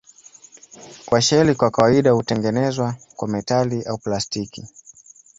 Washeli kwa kawaida hutengenezwa kwa metali au plastiki.